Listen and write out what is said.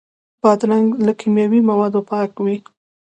بادرنګ له کیمیاوي موادو پاک وي.